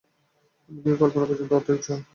এমন কি, কল্পনা পর্যন্ত অর্ধেক জড়।